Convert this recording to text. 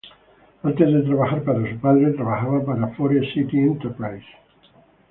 Antes de trabajar para su padre, trabajaba para Forest City Enterprises.